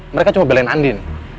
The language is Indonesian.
mereka cuma belain andin